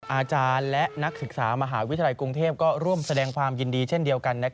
อาจารย์และนักศึกษามหาวิทยาลัยกรุงเทพก็ร่วมแสดงความยินดีเช่นเดียวกัน